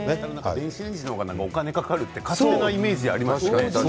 電子レンジの方がお金がかかるという勝手なイメージがありました。